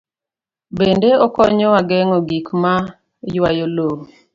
Bende okonyowa geng'o gik ma ywayo lowo.